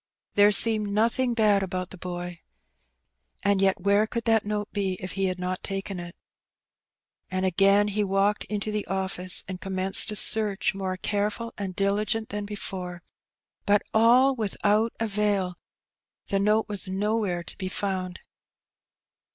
There seemed nothing bad about the boy. And yet where could that note be if he had not taken it? And again he walked back into the office^ and com menced a search more careful and diligent than before, but all without avail; the note was nowhere to be found.